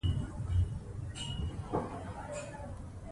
ماشومان د هېواد ګلان دي.